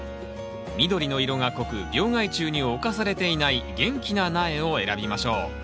緑の色が濃く病害虫に侵されていない元気な苗を選びましょう。